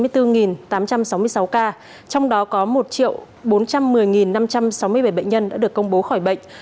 trong đó có một bốn trăm một mươi năm trăm sáu mươi bảy bệnh nhân đã được công bố khỏi bệnh